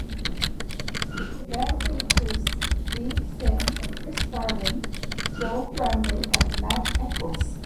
The band features Liam Finn, Chris Garland, Joe Bramley and Matt Eccles.